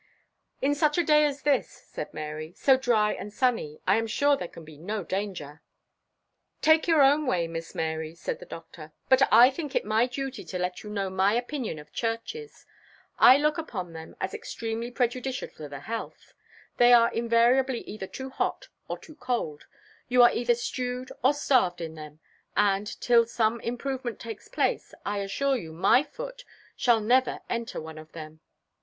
"In such a day as this," said Mary, "so dry and sunny, I am sure there can be no danger." "Take your own way, Miss Mary," said the Doctor; "but I think it my duty to let you know my opinion of churches. I look upon them as extremely prejudicial to the health. They are invariably either too hot or too cold; you are either stewed or starved in them; and, till some improvement takes place, I assure you my foot shall never enter one of them.